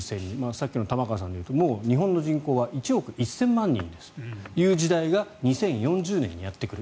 さっきの玉川さんが言った日本の人口は１億１０００万人ですという時代が２０４０年にやってくる。